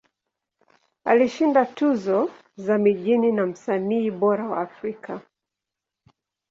Alishinda tuzo za mijini za Msanii Bora wa Afrika.